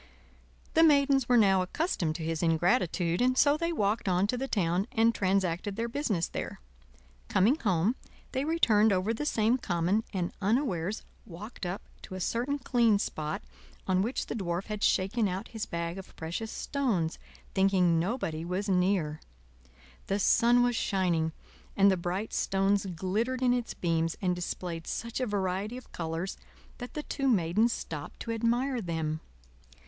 The maidens were now accustomed to his ingratitude, and so they walked on to the town and transacted their business there. Coming home, they returned over the same common, and unawares walked up to a certain clean spot on which the Dwarf had shaken out his bag of precious stones, thinking nobody was near. The sun was shining, and the bright stones glittered in its beams and displayed such a variety of colors that the two Maidens stopped to admire them.